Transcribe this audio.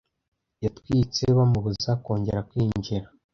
yatwitse bamubuza kongera kwinjira